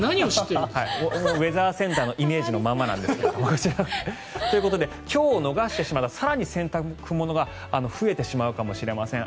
ウェザーセンターのイメージのままなんですが。ということで今日を逃してしまうと更に洗濯物が増えてしまうかもしれません。